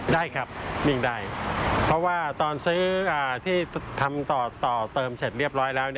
ได้ครับวิ่งได้เพราะว่าตอนซื้อที่ทำต่อเติมเสร็จเรียบร้อยแล้ว